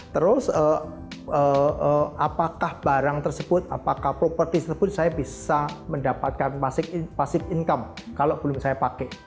terus apakah barang tersebut apakah properti tersebut saya bisa mendapatkan pasif income kalau belum saya pakai